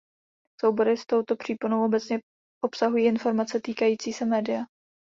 Soubory s touto příponou obecně obsahují informace týkající se média.